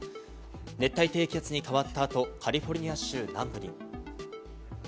熱帯低気圧に変わった後、カリフォルニア州南部に。